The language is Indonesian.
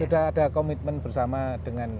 jadi kita sudah ada komitmen bersama dengan